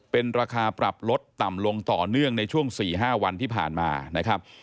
เป็นราคาปรับลดต่ำลงต่อเนื่องในช่วง๔๕วันที่ผ่านมานะครับ